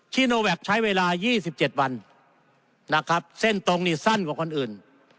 ีโนแวคใช้เวลา๒๗วันนะครับเส้นตรงนี่สั้นกว่าคนอื่น